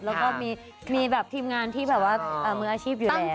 แล้วก็มีแบบทีมงานที่แบบว่ามืออาชีพอยู่